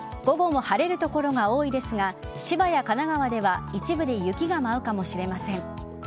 午後も晴れる所が多いですが千葉や神奈川では一部で雪が舞うかもしれません。